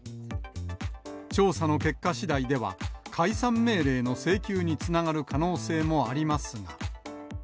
調査の結果しだいでは、解散命令の請求につながる可能性もありますが。